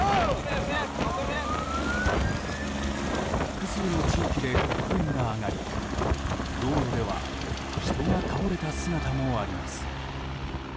複数の地域で黒煙が上がり道路では人が倒れた姿もあります。